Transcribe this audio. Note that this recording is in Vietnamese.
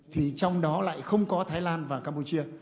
thì trong đó lại không có thái lan và campuchia